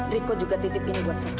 riko juga titip ini buat saya